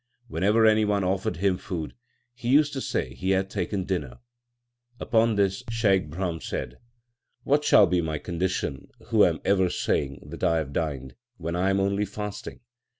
Whenever any one offered him food he used to say he had taken dinner/ l Upon this Shaikh Brahm said : What shall be my condi tion, who am ever saying that I have dined, when I am only fasting